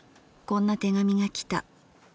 こんな手紙がきた。